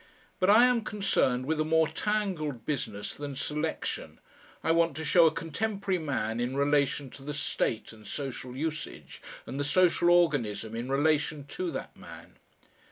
But I am concerned with a more tangled business than selection, I want to show a contemporary man in relation to the state and social usage, and the social organism in relation to that man.